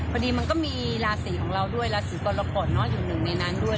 มันก็มีราศีของเราด้วยราศีกรกฎอยู่หนึ่งในนั้นด้วย